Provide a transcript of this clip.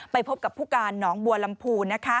พบกับผู้การหนองบัวลำพู